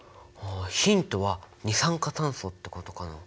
ヒントは二酸化炭素ってことかな。